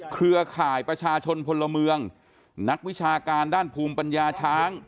เครือข่ายประชาชนพลเมืองนักวิชาการด้านภูมิปัญญาช้าง